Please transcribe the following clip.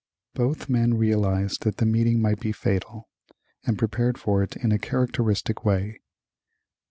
Both men realized that the meeting might be fatal, and prepared for it in a characteristic way.